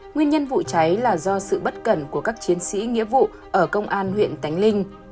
nguyên nhân vụ cháy là do sự bất cẩn của các chiến sĩ nghĩa vụ ở công an huyện tánh linh